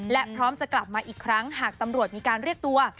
และพร้อมจะกลับมาอีกครั้งหากตำรวจมีการเรียกตัว